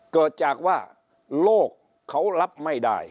เกิดจากว่าโลกเขารับไม่ได้